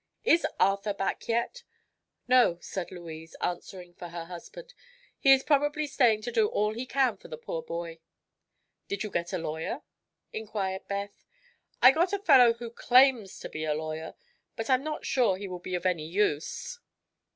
"Is Arthur back yet?" "No," said Louise, answering for her husband, "he is probably staying to do all he can for the poor boy." "Did you get a lawyer?" inquired Beth. "I got a fellow who claims to be a lawyer; but I'm not sure he will be of any use."